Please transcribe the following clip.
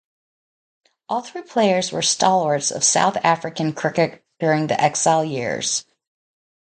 All three players were stalwarts of South African cricket during the exile years.